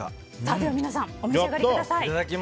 では皆さんお召し上がりください。